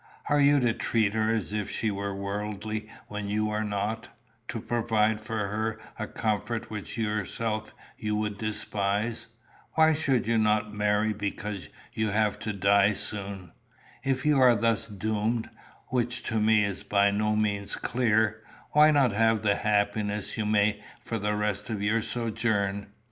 Are you to treat her as if she were worldly when you are not to provide for her a comfort which yourself you would despise? Why should you not marry because you have to die soon? if you are thus doomed, which to me is by no means clear. Why not have what happiness you may for the rest of your sojourn?